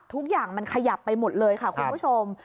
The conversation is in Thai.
ทุกอย่างมันขยับไปหมดเลยค่ะคุณผู้ชม